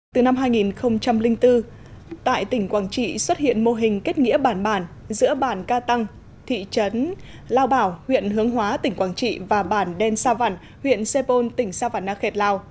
từ năm hai nghìn bốn tại tỉnh quảng trị xuất hiện mô hình kết nghĩa bản bản giữa bản ca tăng thị trấn lao bảo huyện hướng hóa tỉnh quảng trị và bản đen sa văn huyện sê pôn tỉnh sa văn na khệt lào